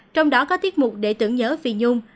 trong đó có tiết mục để tưởng nhớ phi nhung